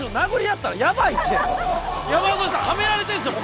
山添さんハメられてるんですよ